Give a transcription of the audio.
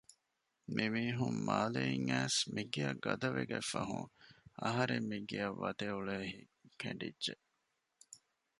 މިމީހުން މާލެއިން އައިސް މިގެޔަށް ގަދަވެގަތް ފަހުން އަހަރެން މިގެޔަށް ވަދެއުޅޭ ހިތް ކެނޑިއްޖެ